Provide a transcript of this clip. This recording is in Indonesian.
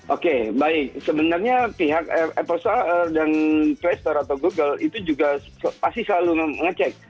oke baik sebenarnya pihak apple store dan play store atau google itu juga pasti selalu ngecek